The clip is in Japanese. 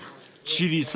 ［千里さん